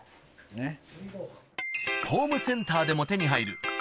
ホームセンターでも手に入る